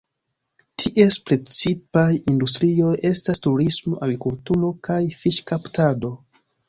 Ties precipaj industrioj estas turismo, agrikulturo, kaj fiŝkaptado.